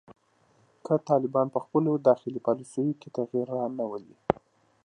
که طالبان په خپلو داخلي پالیسیو کې تغیر رانه ولي